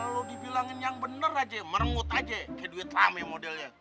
kalo dibilangin yang bener aja merengut aja ke duit rame modelnya